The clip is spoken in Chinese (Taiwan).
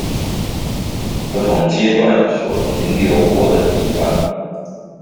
不同階段所停留過的地方